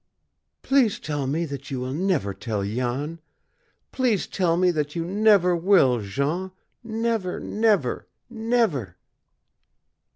"Please tell me that you will never tell Jan please tell me that you never will, Jean never, never, never!"